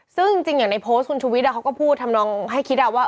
ซึ่งจริงอย่างในโพสต์คุณชุวิตเขาก็พูดทำนองให้คิดว่า